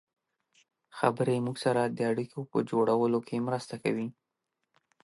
خبرې موږ سره د اړیکو په جوړولو کې مرسته کوي.